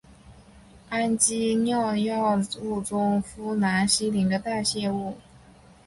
氨基脲药物中呋喃西林的代谢物。